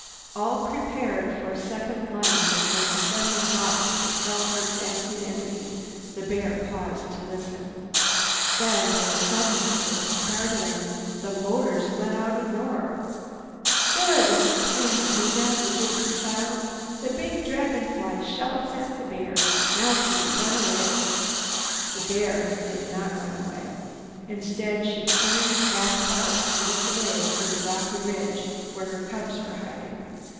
All prepared for a second lunge at the offending box that held her fancied enemies, the bear paused to listen. Then, with a suddenness that was startling, the motors let out a roar. "Good!" screamed Vida, the gypsy child. "The big Dragon Fly shouts at the bear. Now she will run away." The bear did not run away. Instead, she turned half about to look away to the rocky ridge where her cubs were hiding.